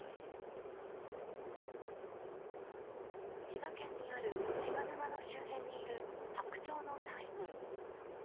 千葉県にある手賀沼の周辺にいるハクチョウの大群。